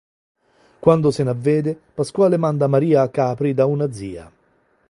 Quando se n'avvede, Pasquale manda Maria a Capri da una zia.